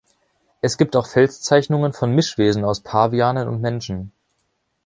Es gibt auch Felszeichnungen von Mischwesen aus Pavianen und Menschen.